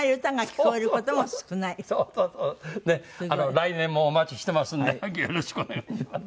来年もお待ちしてますんでよろしくお願いします。